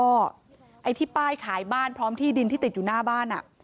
ไอ้ที่ป้ายขายบ้านพร้อมที่ดินที่ติดอยู่หน้าบ้าน